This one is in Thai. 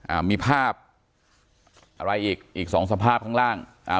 อ่ามีภาพอะไรอีกอีกสองสภาพข้างล่างอ่า